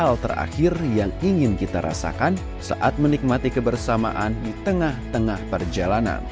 hal terakhir yang ingin kita rasakan saat menikmati kebersamaan di tengah tengah perjalanan